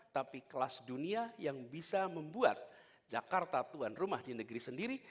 tapi kelas dunia yang bisa membuat jakarta tuan rumah di negeri sendiri